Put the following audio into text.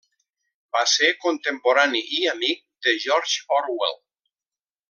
Va ser contemporani i amic de George Orwell.